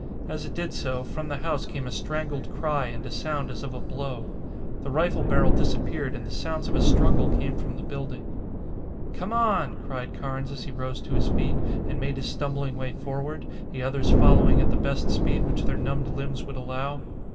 As it did so, from the house came a strangled cry and a sound as of a blow. The rifle barrel disappeared, and the sounds of a struggle came from the building. "Come on!" cried Carnes as he rose to his feet, and made his stumbling way forward, the others following at the best speed which their numbed limbs would allow.